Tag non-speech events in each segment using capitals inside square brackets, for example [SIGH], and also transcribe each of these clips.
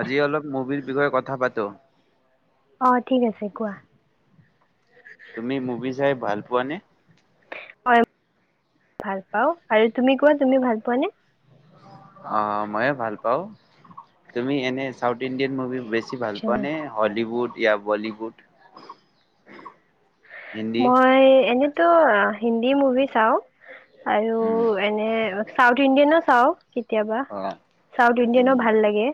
আজি অলপ মুভিৰ বিষয়ে কথা পাতো অ ঠিক আছে কোৱা তুমি মুভি চাই ভাল পোৱা নে হয় ভাল পাওঁ আৰু তুমি কোৱা তুমি ভাল পোৱাানে অ মইয়ে ভাল পাওঁ। তুমি এনে চাউথ ইণ্ডিয়ান মুভি বে বেছি ভাল আচ্ছা পোৱা নে হলিউড ই বলীউুড মই এনে টো হিন্দী মুভি চাও আৰু উম এনে সাউথ ইণ্ডিয়ন আছ হ কেতিয়াবা অ চাউথ ইণ্ডিয়ানো উম ভাল লাগে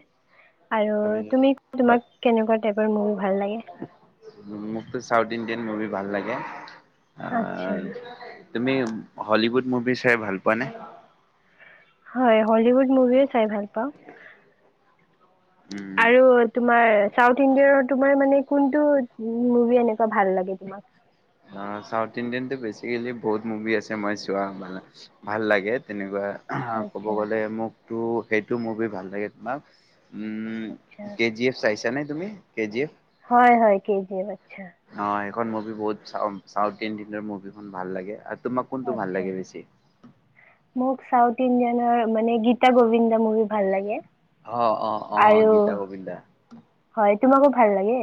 আৰু তাৰপিছত তুমি হয় তোমাক কেনেকোৱা টাইপৰ মুভি ভাল লাগে মোক তো চাউথ ইণ্ডিয়ান মুভি ভাল লাগে আ আচ্ছা তুমি হলিউড মুভি চাই ভাল পোৱাানে হয় হলিউড মুভি ও চাই ভাল পাওঁ উম আৰু তোমাৰ চাউথ ইণ্ডিয়াৰৰ তোমাৰ মানে কোনটো মুভি এনেকু এনেকোৱা ভাল লাগে তোমাক অ চাউথ ইণ্ডিয়ানতো বেচিকেলি বহুত মুভি আছে মই চোৱা ভাল লাগে তেনেকোৱা ক'ব আচ্ছা গ'লে মোক ত' এইটো মুভি ভাল লাগে তোমাক উম আচ্ছা কেজি এফ চাই তে নে তুমি কে জি এফ হয় হয় কেজি এফ আচ্ছা হয় এখন মুভি বহুত চাও চাউথ ইণ্ডিয়ানৰ মুভিখন ভাল লাগে আৰু তোমাক কোনটো ভাল আচ্ছা লাগে বেছি মোক চাউথ ইণ্ডিয়ানৰ মানে গীতা গোবিন্দা মুভি ভাল লাগে অ অ অ আৰু গীতা গোবিন্দা। হয় তোমাকো ভাল লাগে?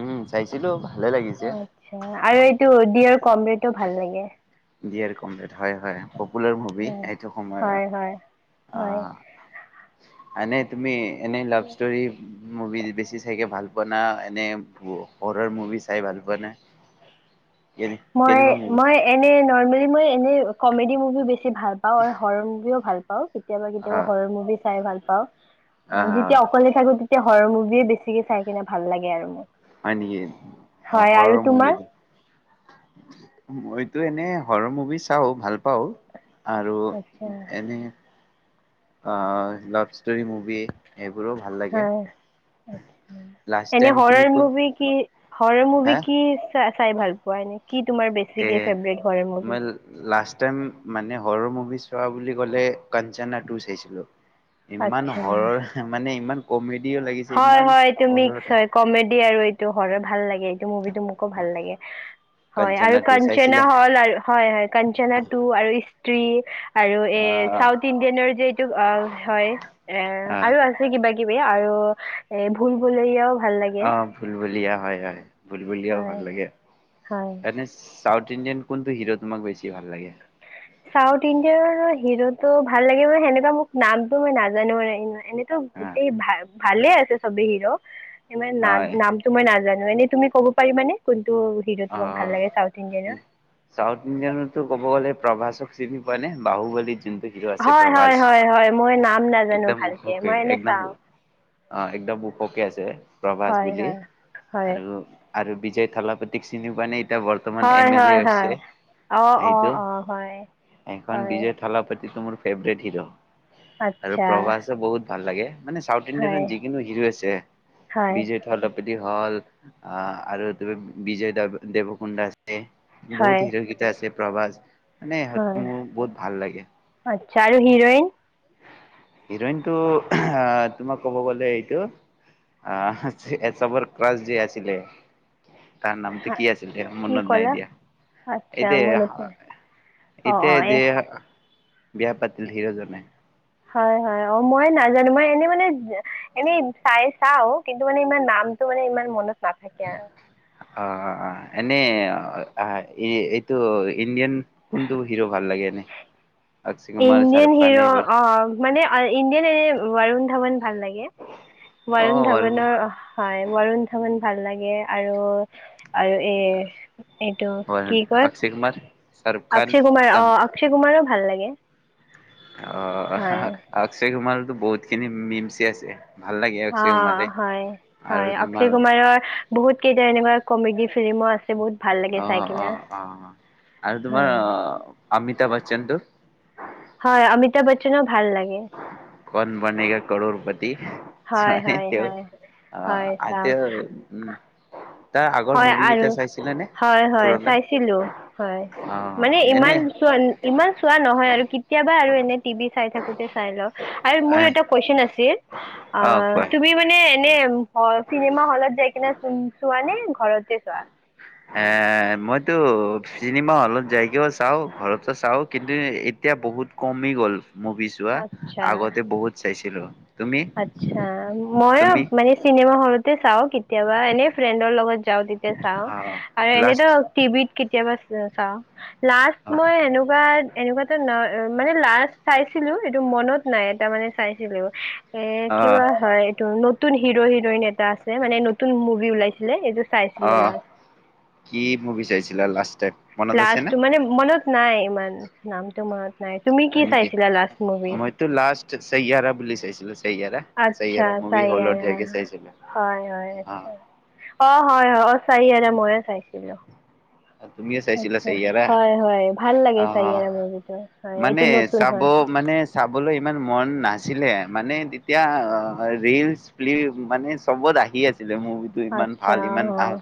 উম, চাইছিলোঁ ভালে অ লাগিছে। আচ্ছা আৰু এইটো ডিয়ৰ কমৰেড তো ভাল লাগে ডিয়াৰ কমৰেড হয় হয়। পপুলাৰ মুভি হয় এইটো সময়ৰ হয় হয় হয় অহ এনেই তুমি এনেই লাভ ষ্টোৰি মুভি বেছি চাইকে ভাল পোৱা না এনে হৰৰ মুভি চাই ভাল পোৱা নে কেনে মই কেনেকুৱা মুভি মই এনে নৰ্মেল মই এনে কমেডি মুভি বেছি ছি ভাল পাওঁ আৰু হৰৰ মুভিও ভাল পাও কেতিয়াবা কেতিয়াবা আহ হৰৰ মুভি চাই ভাল ও উম আহ যেতিয়া অকলে থাকোঁ তেতিয়া। হৰৰ মুভিয়ে বেছিকে চাই কিনে ভাল লাগে আৰু মোক। হয় নিকি অ হয় হৰৰ আৰু মুভি তোমাৰ মইতো এনে হৰৰ মুভি চাও ভাল পাওঁ আৰু আচ্ছা এনে অ লাভছ ষ্টৰি মুভি এইবোৰো ভাল লাগে হয় আচ্ছা লাষ্ট এনে টাইম হৰৰ তুমি কোন। মুভি কি হৰৰ মুভি হা কি। চ-চাই ভাল পোৱা এনে কি তোমাৰ এ বেছিকে ফেভৰেট হৰৰ মুভি। মই লাষ্ট টাইম মানে হৰৰ মুভি চোৱা বুলি ক'লে কাঞ্চনা টু চাইছিলোঁ। ইমান আচ্ছা হৰৰ মানে ইমান -। কমেডী হয় হয় তুমি কমেডী ডি আৰু এইটো হৰৰ ভাল লাগে এইটো মুভি। টো মোকো ভাল লাগে হয় আৰু কাঞ্চনা টু কাঞ্চনা চাইছিলা? হ'ল আ হয় হয় কাঞ্চনা আহ টু আৰু স্ত্ৰী। আৰু এ চাউথ ইণ্ডিয়ানৰ যে এইটো অ হয় এ আহ আৰু আছে কিবা। কিবি আৰু। এ ভুল ভুলেয়া। অ ভুল ভুলিয়া হয় হয়।। ভুলভুলিয়াও হয় ভাল লাগে। হয় এনে চি।। চাউথ ইণ্ডিয়ান কোনটো হিৰ' তোমাক বেছি ভাল লাগে চাউথ ইণ্ডিয়াৰ হিৰোটো ভাল লাগে। মানে হেনেকুৱাঁ মোক নামতটো মই নাজানো মানে।। এনেটো আহ গোটেই ভাল।। ভালে আছে চবে হিৰো।। ইমান হয় ন নাম তো মই নাজানে। এনে তুমি কব পাৰিবা নে কোন।। অ চাউথ ইণ্ডিয়ানতো ক'ব গ'লে। প্ৰভাসক চিনি পোৱা নে বাহু বুলি। হিৰ আছিল হয় প্ৰভাস হয় হয় হয় মই নাম নাজানো একদম ওখ ভালকৈ মই কৰি। এনে একদম চাওঁ গোল অ একদম ওখ কে আছে প্ৰভাস হয় বুলি হয় হয় আৰু, আৰু।।। যে থালাপতি।। টিক চিনি পানীত এতিয়া বৰ্তমান এম হয় এল এ হয় হৈছে। হয় অঁ অঁ সেইটো, অঁ হয় সেইখন হয় বিজয় থালাপাতিটো মোৰ ফেভৰেট হিৰ'। আৰু আচ্ছা প্ৰবাসে বহুত ভাল লাগে। মানে চাউথ ইণ্ডিয়ানত হয় যিকোনো হিৰো আছে। হয় বিজয় থালাপত হ'ল অ আৰু তুমি।। বিজয় দাৱ, দেৱকুণ্ডা আছে।। হয় বহুত হিৰ গিতা আছে। প্ৰভাস।। মানে হয় মোৰ বহুত ভাল লাগে। আচ্ছা আৰু হিৰইন? হিৰইনটো তোমাক ক'ব গলে এইটো আহ এ স্বাৱনপ্ৰাচ যে আছিলে তাৰ নামটো হা কি আছিলে কি মনত নাই ক'লা দিয়া। আচ্ছা মনতে এতিয়া, অঁ এতিয়া অঁ এই যে।। বিয়া পাতিলে হিৰজনে।। হয় হয় অ মই নাজানো। মই এনেই মানে এনেই চাই চাওঁ কিন্তু মানে ইমান নামটো মানে ইমান মনত নাথাকে আৰু।। অ এনে এইটো ইণ্ডিয়ান কোনটো হিৰো ভাল লাগে এনে? অক্ষয় কুমাৰ ইণ্ডিয়া শাহৰুখ খান হিৰ এইবাৰ অ মানে ইণ্ডিয়া এই বৰুণ ধাৱন ভাল লাগে। বৰুণ ধাৱনৰ হয় বৰুণ ধাৱন।। ভাল লাগে আৰু আৰু এ।। এইটো বৰুণ কি কয়? অক্ষয় কুমাৰ শাহৰুখ খান অক্ষয় কুমাৰ চাম অ অক্ষয় কুমাৰক।। ভাল লাগে অ হয় অক্ষয় কুমাৰ বহুত খিনি মিমচি আছে। ভাল লাগে অ অক্ষয় কুমাৰে হয় আৰু হয় তোমাৰ অক্ষয় কুমাৰৰ বহুত কেইটা এনেকুৱা কমেডি ফিল্মো আছে বহুত ভাল লাগে অ চাই অ কিনা অ আৰু তোমাৰ হয় অমিতা বচ্চনটো? হয় অমিতাভ বচ্চনো ভাল লাগে। কন বনেগা কৰৰ পতি হয় হয় তেওঁ হয় হয় আ চাওঁ তেওঁ উ হয় আৰু হয় হয় পুৰলে চাইছিলো হয় অ মানে এনে ইমান চ ইমান চোৱা নহয় আৰু কেতিয়াবা আৰু এনে টিভি চাই থ কোটতে চাই ল আৰু মোৰ এতা কোৱাঁচোন আছিল অ কোৱা তুমি মানে এনী চিনেমা হলত যায় কিনে উম চোৱা নে? ঘৰতে চোৱা। এ মইতো চিনেমা হলত যাইগেও চাওঁ ঘৰতো চাওঁ কিন্তু এতিয়া বহুত কমি গ'ল। মভিছোৱা আগতে বহুত চাইছিলো তুমি আচছা মইো তুমি মানে চিনেমা হলত চাও কেতিয়াবা এনেই ফ্ৰেণ্ডৰ লগত যাওঁ তেতিয়া চাওঁ অ আৰু লাষ্ট এনেতো টিভিত কেতিয়াবা ছা লাষ্ট অ মই এনে িবা এনেকুৱাাতো ন মানে লাষ্ট চাইছিলো এইটো মনত নাই এটা মানে চাইছিলো এ অ কিব হয় এইটো নতুন হিৰো হিৰইন এটা আছে মানে নতুন মুভি ওলাইছিলে এইটো অ চাইছিলো লাষ্ট কি মোৰ বিচাৰিছিলা লাষ্ট টাইম মনত আছে নে প্লাছটো মানে ম নাই ইমান নামটোো মত হয় নেকি মইতো লাষ্ট চয়াৰা বুলি চাইছিলো চেয়াৰা আচ্ছা চাৰ হয় হয় অ আছা অ হয় হয় চাই আ ময় চাইছিলো তুমিও আা চাইছিলা চয়াৰা হয় হয় ভাল লাগে আহ চাৰয় মৰ্জিটো হয় মানে এইটো নতুন চাব হয় মানে চাবলৈ ইমান মন নাছিলে মানে তেতিয়া ৰিলচ ফ্লিপ মানে চবত আহি আছে মুভি টো ইমান আচ্ছা ভাল ইমান অ ভাল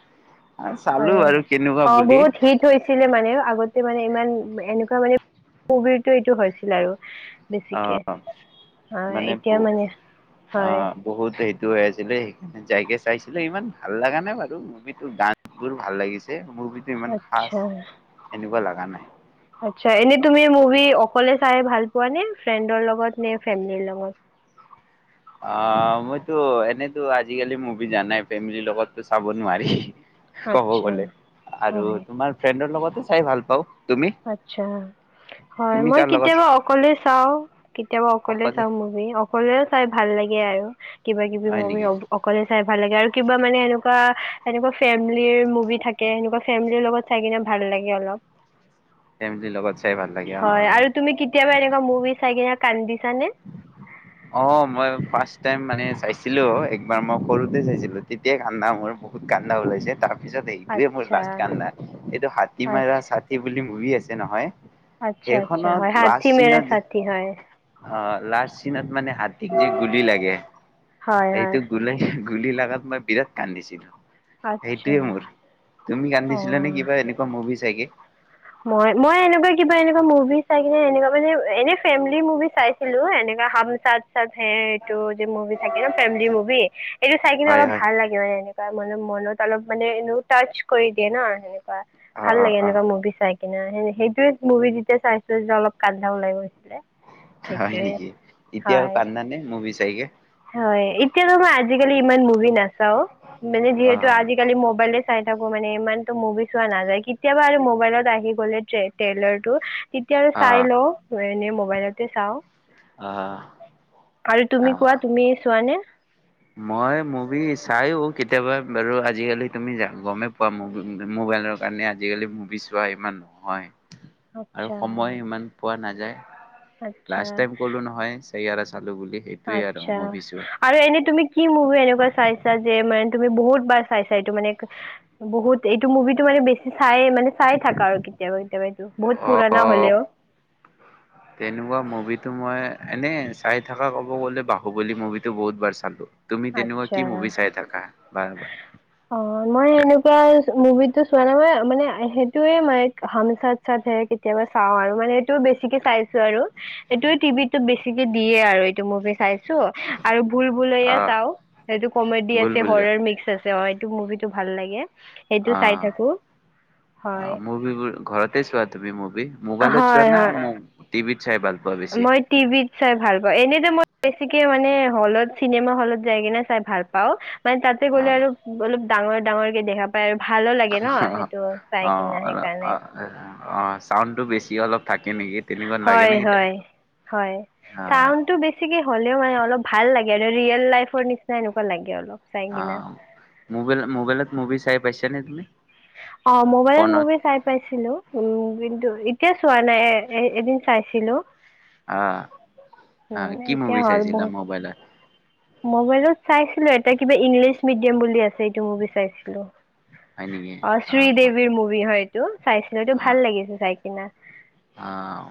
চালো আৰু কেনেকুৱা বুলি হিত হৈছিলে মানে আগতে মানে ইমান এনেকুৱা মানে [UNINTELLIGIBLE] এইটো হৈছিল আৰু অ বেছিকে অ মানে এতিয়া মানে হয় [UNINTELLIGIBLE] সেই যাইকে চাইছিলে ইমান ভাল লগা নাই বাৰু মুভিটো গান বোৰ ভাল লাগিছে মুভিটো ইমান খাচ আচছা এনেকুৱা লগা নাই আচছা এনেই তুমি মুভি অক অকলে চাই ভাল পোৱা নে ফ্ৰেণ্ডৰ লগত নে ফেমিলিৰ লগত অ মইতো এনেতো আজিকালি মুভি জানাই ফেমিলিৰ লগততো চাব নোৱাৰি ক'ব আচ্ছা গ'লে আৰু হয় তোমাৰ ফ্ৰেণ্ডৰ লগত চাই ভাল পাওঁ তুমি আচ্ছা হয় তুমি মই কাৰ লগত কেতিয়াবা অকলে চাও কেতিয়াবা অকলে চাও মুভি অকলে চাই ভাল লাগে আৰু কিবা কিবি হয় মুভি নেকি অ অকলে চাই ভাল লগে আৰু কিবা মানে এনেকুৱা এনেকুৱা ফেমেলি মুভি থাকে এনেকুৱা ফেমেলিৰ লগত চাই কিনে ভাল লাগে অলপ ফেমিলিৰ লগত চাই ভাল লাগে অ হয় আৰু তুমি কেতিয়াবা এনেকুৱা মুভি চাই কিনে কান্দি অ মই ফাৰ্ষ্ট টাইম মানে চাইছো ছিলো একবাৰ মই সৰুতেই চাইছিলো তেতিয়াই কান্দা মোৰ বহুত কান্দা ওলাইছে তাৰ পিছত এইটোৱে মোৰ আচ্ছা লাষ্ট কান্দা এইটো হাতী মেৰা আচ্ছা চাথি বুলি মুভি আছে যে নহয় আচ্ছা আচ্ছা সেইখনত হয লাষ্ট হাঠী মেৰা চিনত চাঠী হয় অ লাষ্ট চিনত মানে হাতীক যে গুলি লাগে হয় হয় এইটো গুলে গুলি লাগ তাত মই বিৰাট কান্দিছিলো আচ্ছা সেইটোৱে মোৰ তুমি কান্দিছিলা নে অ কিবা এনেকুৱা মুভি চাই তেগে মই মই এনেকুৱা কিবা এনেকুৱা মুভি চাই কিনে এনেকুৱা মানে এনে ফেমিলি মুভি চাইছিলো, এনেকা হম চাথ চাথ হে এইটো যে মুভি থাকে ন ফেমিলি মুভি। এইটো চাই কিনে হয় অলপ হয় ভাল লাগে মানে এনে তাৰ মানে মনত অলপ মানে এনেও টাচ কৰি দিয়ে ন বাহ অ ভাল অ লাগে অ এনেকুৱা মুভি। চাই কিনা সেইটোৱে মুভি যেতিয়া চাইছো যে অলপ কান্দা ওলাই গৈছিলে। হয় সেইটোৱে নেকি এতিয়া আৰু হয় কান্দা নে মুভি চাই [INAUDIBLE] হয় এতিয়াতো মই আজিকালি ইমান মুভি না নাচাও মানে অ যিহেতু আজিকালি মবাইলে চাই থাকো মানে ইমানতো মুভি চোৱা নাযায় কেতিয়াবা আৰু মোবাইলত আহি গলে ট্ৰেইলৰ টো। তেতিয়া আৰু অ চাই লওঁ এনে মো মোবাইলতে চাওঁ। অ' আৰু তুমি আ কোৱা, তুমি চোৱা নে? মই মুভি চাইও কেতিয়াবা বাৰু আজিকালি তুমি গমেই পোৱা, মোবাইলৰ কাৰণে আজিকালি মুভি চোৱা ইমান নহয়। আৰু আচ্ছা সময় হয় ইমান পোৱা নাই। যায় আচ্ছা লাষ্টটাইম কলো নহয় [UNINTELLIGIBLE] সেইটোৱে আৰু আচ্ছা মুভি চোৱা। আৰু এনেই তুমি কি মুভি এনেকুৱা চাইছা যে তুমি বহুত বাৰ চাইছা এইটো মানে, বহুত এইটো মুভিটো মানে বে চাই মানে, চাই থাকা আৰু কেতিয়াবা-কেতিয়াবা এইটো, বহুত পুৰণা অ হলেও। তেনেকুৱা মুভিটো মই এনে চাই থকা ক'ব গ'লে বাহুবলী মুভিটো বহুত বাৰ চালো। তুমি তেনেকুৱা কি আচ্ছা মুভি চাই থাকা বাৰ-বাৰ? অ মই এনেকুৱা মুভিটো চোৱা নাই, ম মানে সেইটোয়ে মই হাম সাথ-সাথ হে কেতিয়াবা চাও আৰু মানে এইটো বেছিকে চাইছো আৰু এইটোয়ে টিভিটো বেছিকে দিয়ে আৰু এইটো মুভি চাই চো আৰু বুলবুলাইয়া। আহ চাও, সেইটো কমেডি বুল আছে বুলিয়া হৰৰ মিক্স আছে অ মুভিটো ভাল লাগে। সেইটো অ, চাই থাকো অ, হয় মভিবোৰ, ঘৰতে চোৱা তুমি মভি? মোবাইল চোৱা হয় না হয় ম টিভি মই টিভিত চাই ভাল পাওঁ এনে যে মই বেছিকে মানে হলত, চিনেমা হলত যায় কেনে চাই ভাল পাও। মানে তাতে অ গ'লে আৰু অলপ ডাঙৰ-ডাঙৰকে দেখা পায় ভালো লাগে ন সেইটো চাই অ, কিনে অল, সেইকাৰণে অ, চাউণ্ডটো বেছি অলপ থাকে নেকি তেনেকুৱা লাগে হয়, নে কেতিয়াবা? হয়, হয়, অ চাউণ্ডটো বেছিকে হ মানে অলপ ভাল লাগে আৰু ৰিয়েল লাইফৰ নিচিনা এনেকুৱা লাগে অলপ। চাই অ কিনা মবাইলত-মবাইলত মভি চাই পাইছা নে তুমি? অ মোবাইলত ফোনত? মুভি চাই পাইছিলো, উম কিন্তু এতিয়া চোৱা নাই এ এ এদিন চাইছিলো্ আহ আহ কি মুভি চাইছিলা মোবাইলত? মবাইলত চাইছিলো এটা কিবা ইংলিছ মিডিয়াম বুলি আছে এইটো মুভি চাইছিলো। হয় নেকি অ শ্ৰীদেৱীৰ মুভি হয়। কিয়? চাইছিলোটো ভাল লাগিছে চাই কিনা। অহ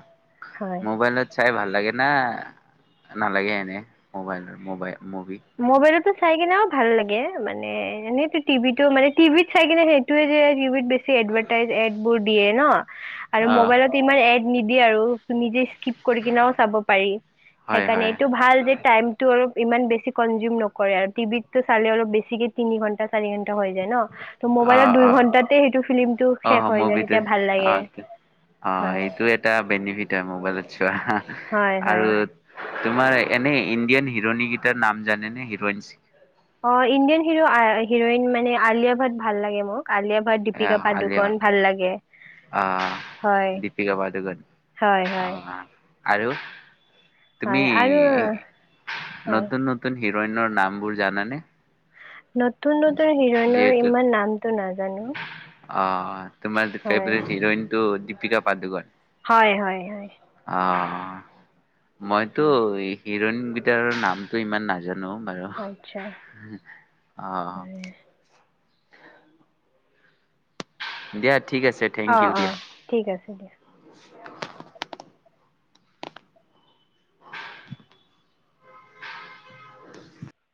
হয় মোবাইলত চাই ভাল লাগে না নালাগে এনে মোবাইল মোবাইল মুভি মোবাইলতে চাই কিনে ভাল লাগে মানে, এনেটো টিভিতো মানে টিভিত চাই কিনে সেইটোৱে যে টিভিত বে চি এডভাৰটাইজ এড বোৰ দিয়ে ন। আৰু অ মোবাইলত ইমান এড নিদিয়ে আৰু নিজে ঠিক কৰি কিনেও চাব পাৰি, হয় সেইকাৰণে হয় এইটো ভাল যে তাইমটো আৰু ইমান বেছি কঞ্জিয়ুম ন কৰে আৰু টিভিতটো চালে অলপ বেছি তিনি ঘণ্টা চাৰি ঘণ্টা হৈ যায় ন ত অ মবাইলত দুই অ ঘন্টাতে সেইটো ফিলমটো অ শেষ হৈ যায়, মুভিটো তেতিয়া ভাল অ লাগে অ হয়। এইটো এটা বেনিফিট হয় মোবাইলত আৰু হয় হয় তোমাৰ এনে ইণ্ডিয়ান হিৰণী কেইটাৰ নাম জানেনে হিৰইনচ? অ ইণ্ডিয়ান হিৰো- হিৰইন মানে আলিয়া ভাট ভাল লাগে মোৰ। আলিয়া ভাট দীপিকা আলিয়া পাদুকন ভাল লাগে, আহ হয়- দীপিকা পাদুকন হয় - অ হয়। আৰু তুমি হয় আৰু হয় নতুন নতুন হিৰইনৰ নামবোৰ জানানে? নতুন নতুন হিৰইনৰ যিহেতু ইমান নামটো নাজানো। আহ। তোমাৰ তো হয় ফেভৰেট হিৰইন ত দীপিকা পাদুকন। হয় -হয় -হয়। আহ। মইতো হয় এই হিৰইন গীটাৰৰ নামটো ইমান নাজানো। নো বাৰু আচ্ছা অ হয় দিয়া ঠিক আছে থেংক অ' ইউ দিয়া। অ' থিক আছে দিয়া।